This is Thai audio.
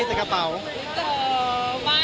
โอเคสิกระเบา